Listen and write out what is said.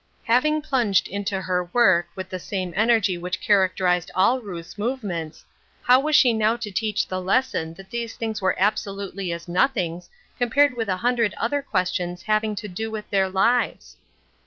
Having plunged into her work with the same energy which characterized all Ruth's move ments, how was she now to teach the lesson that these things were absolutely as nothings com pared with a hundred other questions ha^dng to do with their lives